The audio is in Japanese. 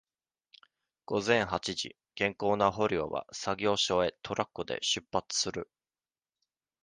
午前八時、健康な捕虜は、作業所へ、トラックで出発する。